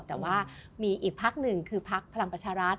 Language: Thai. แต่ว่ามีอีกพักหนึ่งคือพักพลังประชารัฐ